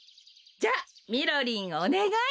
じゃみろりんおねがい。